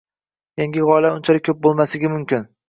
Yangi gʻoyalar unchalik koʻp boʻlmasligi mumkin.